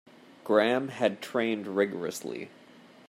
Graham had trained rigourously.